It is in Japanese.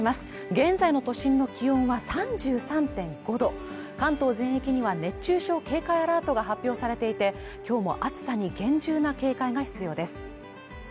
現在の都心の気温は３３．５度関東全域には熱中症警戒アラートが発表されていて、今日も暑さに厳重な警戒が必要です。